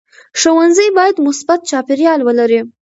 ښوونځی باید مثبت چاپېریال ولري.